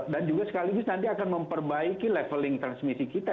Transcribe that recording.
dan juga sekaligus nanti akan memperbaiki leveling transmisi kita